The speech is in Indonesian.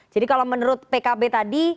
jadi kalau menurut pkb tadi